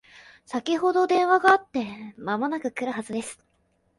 先ほど電話があって間もなく来るはずです